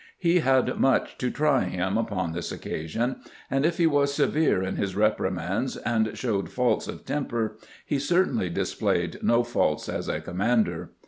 He had much to try him upon this occasion, and if he was severe in his repri mands and showed faults of temper, he certainly dis played no faults as a commander.